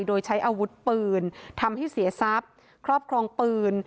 โดยใช้อาวุธปืนทำให้เสียทรัพย์ครอบครองปืน